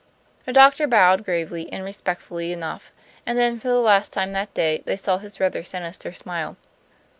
The doctor bowed gravely and respectfully enough, and then, for the last time that day, they saw his rather sinister smile.